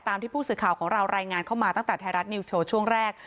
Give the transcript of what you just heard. ที่ผู้สื่อข่าวของเรารายงานเข้ามาตั้งแต่ไทยรัฐนิวสโชว์ช่วงแรก